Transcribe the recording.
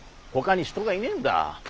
ほかに人がいねえんだ。